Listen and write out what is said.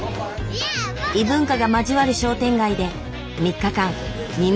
異文化が交わる商店街で３日間耳を傾けた。